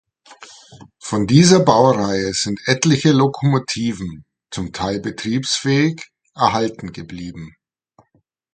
Von dieser Baureihe sind etliche Lokomotiven, zum Teil betriebsfähig, erhalten geblieben.